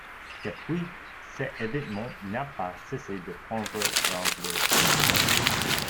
Depuis, cet événement n'a pas cessé de prendre de l'ampleur.